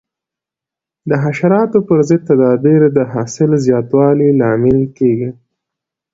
د حشراتو پر ضد تدابیر د حاصل زیاتوالي لامل کېږي.